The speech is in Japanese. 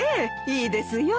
いいですよ。